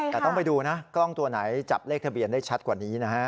แต่ต้องไปดูนะกล้องตัวไหนจับเลขทะเบียนได้ชัดกว่านี้นะฮะ